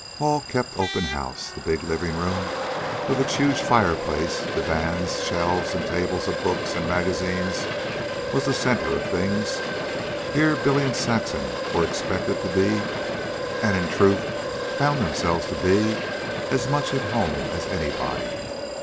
Hall kept open house. The big living room, with its huge fireplace, divans, shelves and tables of books and magazines, was the center of things. Here, Billy and Saxon were expected to be, and in truth found themselves to be, as much at home as anybody.